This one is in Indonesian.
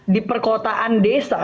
di perkotaan desa